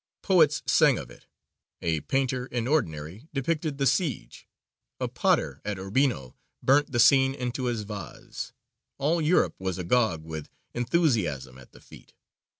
Poets sang of it, a painter in ordinary depicted the siege, a potter at Urbino burnt the scene into his vase; all Europe was agog with enthusiasm at the feat.